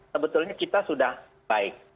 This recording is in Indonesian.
sebetulnya kita sudah baik